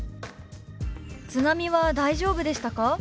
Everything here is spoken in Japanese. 「津波は大丈夫でしたか？」。